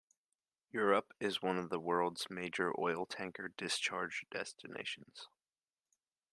Europe is one of the world's major oil tanker discharge destinations.